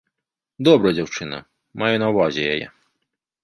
Добрая дзяўчына, маю на ўвазе яе.